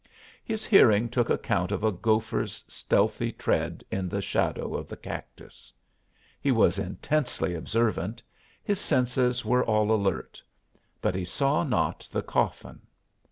His hearing took account of a gopher's stealthy tread in the shadow of the cactus. He was intensely observant; his senses were all alert; but he saw not the coffin.